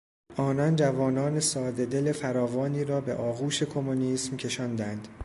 آنان جوانان سادهدل فراوانی را به آغوش کمونیسم کشاندند.